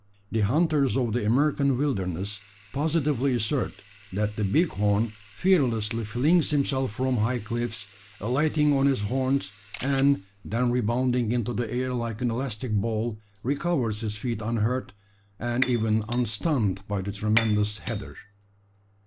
The hunters of the American wilderness positively assert that the bighorn fearlessly flings himself from high cliffs, alighting on his horns; and, then rebounding into the air like an elastic ball, recovers his feet unhurt, and even unstunned by the tremendous "header!"